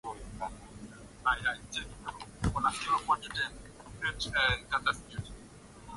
Jacob Matata aliona namba ambazo alitambua kuwa zilikuwa za simu ya mezani